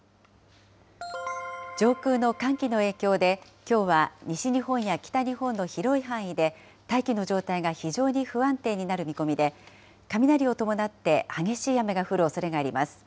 上空の寒気の影響で、きょうは西日本や北日本の広い範囲で、大気の状態が非常に不安定になる見込みで、雷を伴って激しい雨が降るおそれがあります。